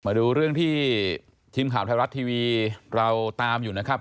มาดูเรื่องที่ทีมข่าวไทยรัฐทีวีเราตามอยู่นะครับ